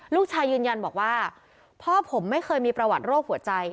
ยืนยันบอกว่าพ่อผมไม่เคยมีประวัติโรคหัวใจ